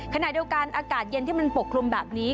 ขณะเดียวกันอากาศเย็นที่มันปกคลุมแบบนี้